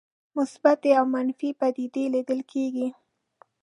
مثبتې او منفي پدیدې لیدل کېږي.